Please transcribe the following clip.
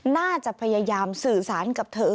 น่าจะพยายามสื่อสารกับเธอ